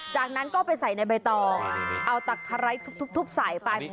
จากนั้นก็ไปใส่ในใบตองเอาตะไคร้ทุบใส่ไป